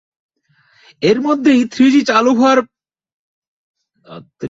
এরমধ্যেই three G চালু হওয়ায় বাংলাদেশের টেলিকম প্রতিষ্ঠানগুলোর সামনে ব্যাপক সম্ভাবনা তৈরি হয়েছে।